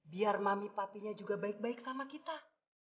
biar mami papinya juga baik baik sama kita